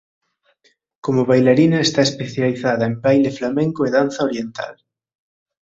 Como bailarina está especializada en baile flamenco e danza oriental.